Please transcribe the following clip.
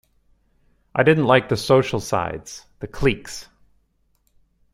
I didn't like the social sides - the cliques.